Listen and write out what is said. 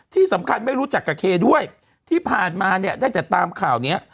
ที่สำคัญไม่รู้จักกับเคด้วยที่ผ่านมาเนี่ยได้แต่ตามข่าวเนี้ย